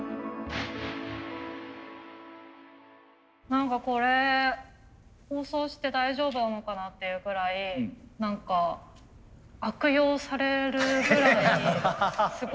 何かこれ放送して大丈夫なのかなっていうぐらい何か悪用されるぐらいすごい分かりやすくて。